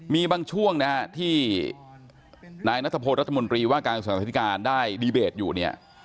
มีบางช่วงนะที่นายนัฐโพรนัฐมนตรีว่าการสนับสนับสนิทการได้ดีเบตอยู่เนี่ย